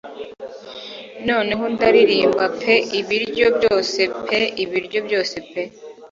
Noneho ndaririmba pe Ibiryo byose pe ibiryo byose pe